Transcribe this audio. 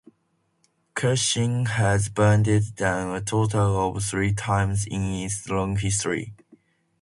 Cushing has burned down a total of three times in its long history.